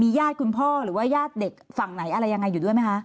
ญาติคุณพ่อหรือว่าญาติเด็กฝั่งไหนอะไรยังไงอยู่ด้วยไหมคะ